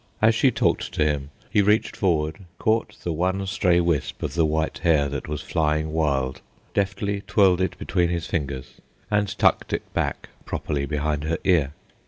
As she talked to him, he reached forward, caught the one stray wisp of the white hair that was flying wild, deftly twirled it between his fingers, and tucked it back properly behind her ear.